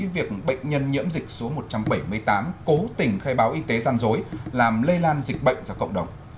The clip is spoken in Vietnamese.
việc bệnh nhân nhiễm dịch số một trăm bảy mươi tám cố tình khai báo y tế gian dối làm lây lan dịch bệnh ra cộng đồng